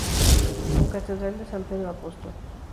Concatedral de San Pedro Apóstol.